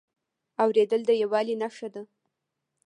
اورېدل د یووالي نښه ده.